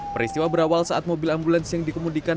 peristiwa berawal saat mobil ambulans yang dikemudikan